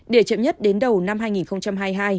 để chậm nhất đến đầu năm hai nghìn hai mươi hai